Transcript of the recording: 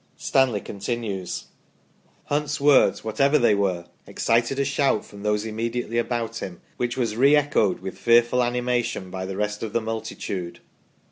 Stanley continues :" Hunt's words, whatever they were, excited a shout from those immediately about him which was re echoed with fearful animation by the rest of the multitude.